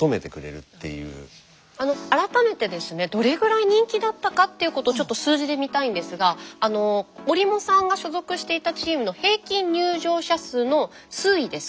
改めてですねどれぐらい人気だったかっていうことをちょっと数字で見たいんですが折茂さんが所属していたチームの平均入場者数の推移です